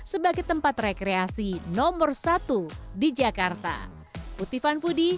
sebagai tempat rekreasi nomor satu di jakarta